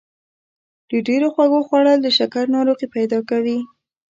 د ډېرو خوږو خوړل د شکر ناروغي پیدا کوي.